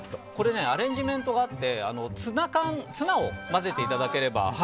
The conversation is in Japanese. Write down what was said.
これ、アレンジメントがあってツナ缶、ツナを混ぜていただければ。